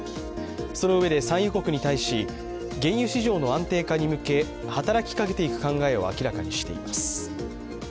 そのうえで産油国に対し原油市場の安定化に向け働きかけていく考えを明らかにしています。